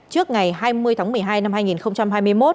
trước ngày hai mươi tháng một mươi hai năm hai nghìn hai mươi một